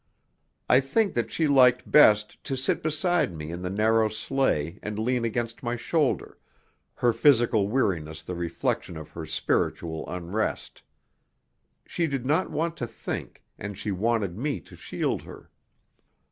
I think that she liked best to sit beside me in the narrow sleigh and lean against my shoulder, her physical weariness the reflection of her spiritual unrest. She did not want to think, and she wanted me to shield her.